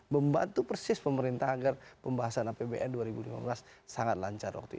membantu persis pemerintah agar pembahasan apbn dua ribu lima belas sangat lancar waktu itu